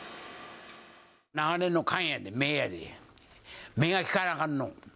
長年の勘やで、目やで、目がきかなあかんの。